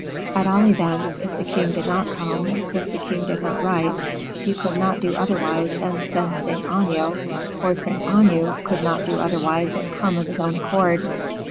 At all events, if the king did not come, if the king did not write, he could not do otherwise than send Saint Aignan, or Saint Aignan could not do otherwise than come of his own accord.